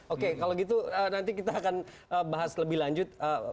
oke kalau gitu nanti kita akan bahas lebih lanjut